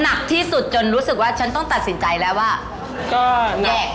หนักที่สุดจนรู้สึกว่าฉันต้องตัดสินใจแล้วว่าก็แยก